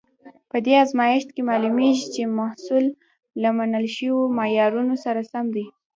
په دې ازمېښت کې معلومیږي چې محصول له منل شویو معیارونو سره سم دی.